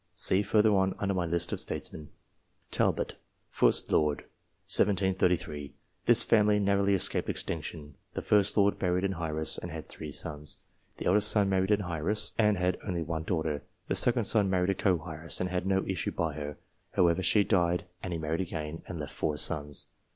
See further on, under my list of STATESMEN. Talbot, 1st Lord (1733). This family narrowly escaped ex tinction. The 1st Lord married an heiress, and had three sons. The eldest son married an heiress, and had only one daughter. The second son married a co heiress, and had no issue by her. However, she died, and he married again, and left four sons.